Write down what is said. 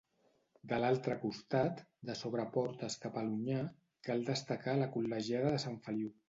De l'altre costat, de Sobreportes cap a l'Onyar, cal destacar la col·legiata de Sant Feliu.